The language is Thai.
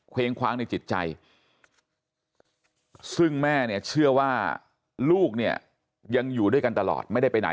วงคว้างในจิตใจซึ่งแม่เนี่ยเชื่อว่าลูกเนี่ยยังอยู่ด้วยกันตลอดไม่ได้ไปไหน